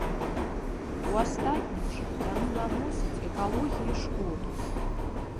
У астатнім жа яны наносяць экалогіі шкоду.